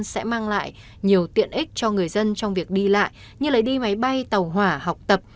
sẽ mang lại nhiều tiện ích cho người dân trong việc đi lại như đi máy bay tàu hỏa học tập